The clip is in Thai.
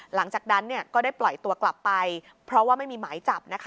หลังจากนั้นก็ได้ปล่อยตัวกลับไปเพราะว่าไม่มีหมายจับนะคะ